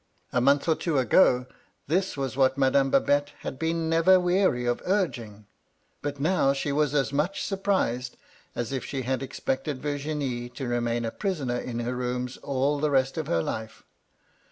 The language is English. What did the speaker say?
A month or two ago, this was what Madame Babette had been never weary of urging. But now she was as much surprised as if she had ex pected Vir^ie to remain a prisoner in her rooms all the rest of her life.